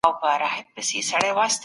رشوت باید له ادارو ورک سي.